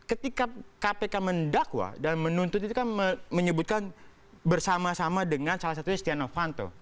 ketika putusannya itu sangat janggal sekali karena apa ketika kpk mendakwa dan menuntut itu kan menyebutkan bersama sama dengan salah satunya setia novanto